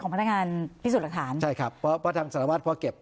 พี่สุดรักฐานใช่ครับเพราะทั้งสารวาทพอเก็บ